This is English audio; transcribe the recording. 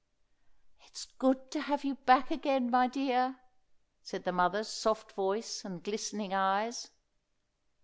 "It's good to have you back again, my dear," said the mother's soft voice and glistening eyes.